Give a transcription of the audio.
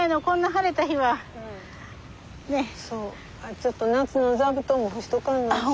ちょっと夏の座布団も干しとかんなんし。